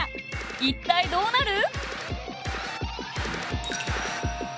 一体どうなる？